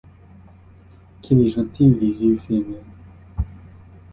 Qu’il est gentil les yeux fermés!